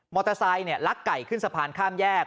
ไซค์ลักไก่ขึ้นสะพานข้ามแยก